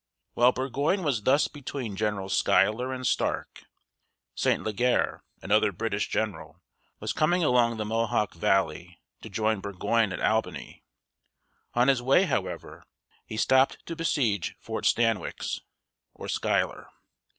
While Burgoyne was thus between Generals Schuyler and Stark, St. Lěġ´er, another British general, was coming along the Mohawk valley to join Burgoyne at Albany. On his way, however, he stopped to besiege Fort Stan´wix, or Schuyler.